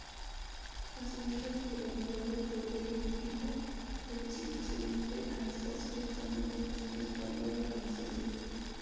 Asumió la titularidad del Poder Ejecutivo el vicepresidente Anastasio Bustamante, quien respaldó la iniciativa.